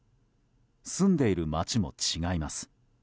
住んでいる町も違います。